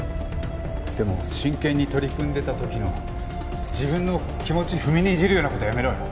でも真剣に取り組んでた時の自分の気持ち踏みにじるような事はやめろよ。